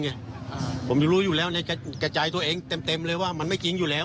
เพราะว่ามันไม่จริงเนี่ยผมรู้อยู่แล้วในกระจายตัวเองเต็มเลยว่ามันไม่จริงอยู่แล้ว